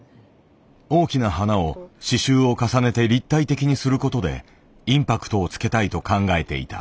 大きな花を刺しゅうを重ねて立体的にする事でインパクトをつけたいと考えていた。